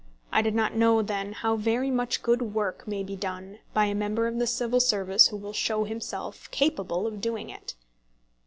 I did not know then how very much good work may be done by a member of the Civil Service who will show himself capable of doing it.